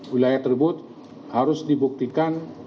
wilayah tersebut harus dibuktikan